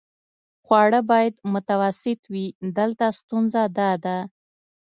خواړه باید متوسط وي، دلته ستونزه داده.